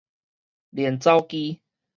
練走機